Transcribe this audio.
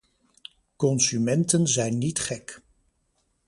Consumenten zijn niet gek.